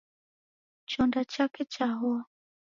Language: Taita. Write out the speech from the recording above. Chonda chake chahoa.